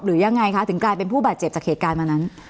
หรือยังไงคะถึงกลายเป็นผู้บาดเจ็บจากเหตุการณ์วันนั้น